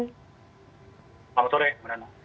selamat sore pana